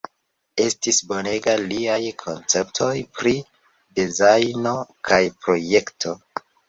Estis bonega liaj konceptoj pri dezajno kaj projekto.